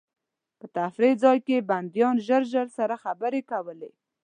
په تفریح ځای کې بندیان ژر ژر سره خبرې کولې.